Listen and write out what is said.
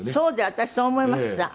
私そう思いました。